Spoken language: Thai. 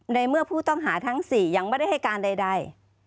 ในเมื่อผู้ต้องหาทั้ง๔ยังไม่ได้ให้การใด